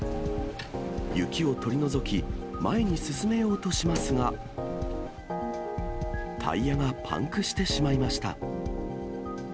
雪を取り除き、前に進めようとしますが、タイヤがパンクしてしまいました。